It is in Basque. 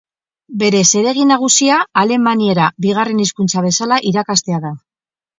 Bere zeregin nagusia alemaniera bigarren hizkuntza bezala irakastea da.